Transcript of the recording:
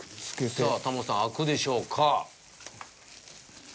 さあタモリさん開くでしょうか？